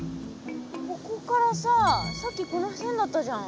ここからささっきこの線だったじゃん。